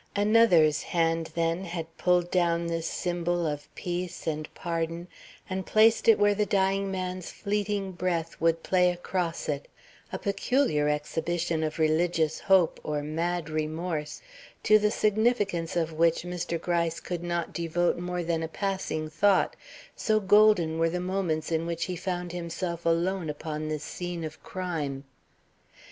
Another's hand, then, had pulled down this symbol of peace and pardon, and placed it where the dying man's fleeting breath would play across it, a peculiar exhibition of religious hope or mad remorse, to the significance of which Mr. Gryce could not devote more than a passing thought, so golden were the moments in which he found himself alone upon this scene of crime.